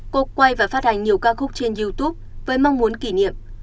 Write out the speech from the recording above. cô quay và phát hành nhiều ca khúc trên youtube với mong muốn kỷ niệm